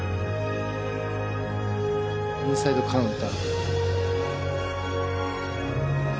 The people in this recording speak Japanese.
インサイドカウンター。